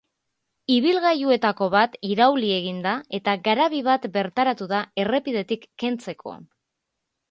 Ibilgailuetako bat irauli egin da, eta garabi bat bertaratu da errepidetik kentzeko.